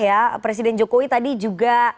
ya presiden jokowi tadi juga